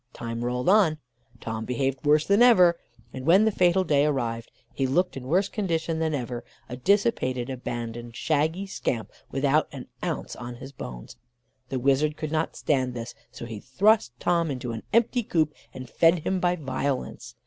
Time rolled on, Tom behaved worse than ever, and when the fatal day arrived 'he looked in worse condition than ever a dissipated, abandoned, shaggy scamp, without an ounce on his bones.' The wizard could not stand this, so he thrust Tom into an empty coop and fed him by violence.